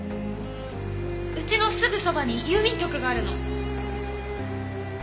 家のすぐそばに郵便局があるの。